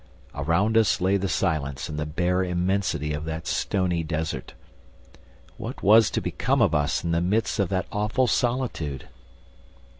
All around us lay the silence and the bare immensity of that stony desert. What was to become of us in the midst of that awful solitude?